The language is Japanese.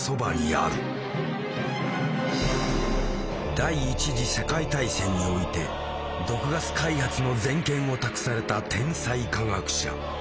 第一次世界大戦において毒ガス開発の全権を託された天才化学者。